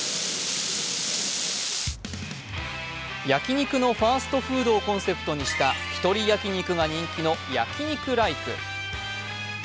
焼き肉のファストフードをコンセプトにした１人焼き肉が人気の焼肉ライク。